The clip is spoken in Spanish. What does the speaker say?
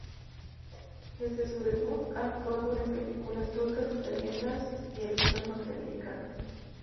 Desde su debut, ha actuado en películas turcas, italianas y algunas norteamericanas.